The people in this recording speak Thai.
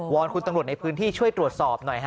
อนคุณตำรวจในพื้นที่ช่วยตรวจสอบหน่อยฮะ